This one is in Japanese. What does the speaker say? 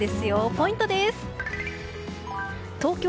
ポイントです。